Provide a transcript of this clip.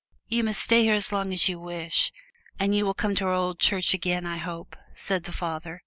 "You must stay here as long as you wish, and you will come to our old church again, I hope!" said the Father.